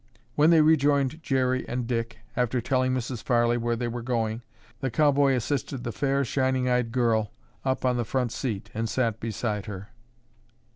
When they rejoined Jerry and Dick, after telling Mrs. Farley where they were going, the cowboy assisted the fair shining eyed girl up on the front seat and sat beside her.